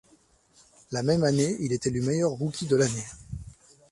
La même année, il est élu meilleur rookie de l'année.